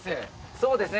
そうですね